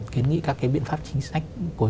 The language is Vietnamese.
kiến nghị các cái biện pháp chính sách